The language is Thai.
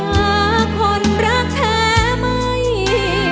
หากคนรักแท้ไม่